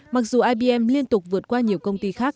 mặc dù ibm liên tục vượt qua nhiều công ty khác